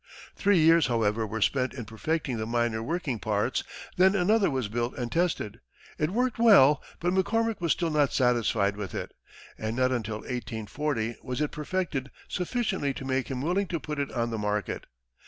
Three years, however, were spent in perfecting the minor working parts, then another was built and tested. It worked well, but McCormick was still not satisfied with it, and not until 1840, was it perfected sufficiently to make him willing to put it on the market.